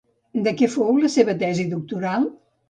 De què fou la seva tesi doctoral?